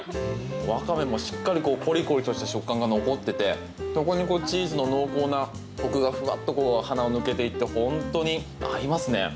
ワカメもしっかりコリコリとした食感が残っていてそこにチーズの濃厚なコクがフワッと鼻を抜けていって本当に合いますね。